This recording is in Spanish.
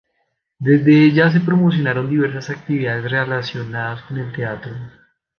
Desde ella se promocionaron diversas actividades relacionadas con el teatro.